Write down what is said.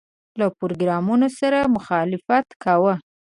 له پروګرامونو سره مخالفت کاوه.